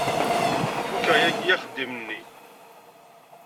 Fukeɣ yagi axeddim-nni.